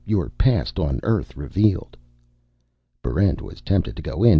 YOUR PAST ON EARTH REVEALED! Barrent was tempted to go in.